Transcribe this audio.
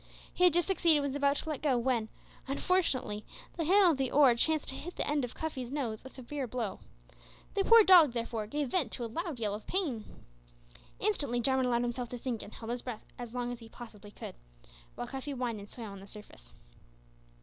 He had just succeeded and was about to let go, when, unfortunately, the handle of the oar chanced to hit the end of Cuffy's nose a severe blow. The poor dog, therefore, gave vent to a loud yell of pain. Instantly Jarwin allowed himself to sink and held his breath as long as he possibly could, while Cuffy whined and swam on the surface.